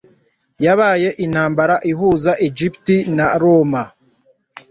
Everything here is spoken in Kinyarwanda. habaye intambara ihuza Egypte na roma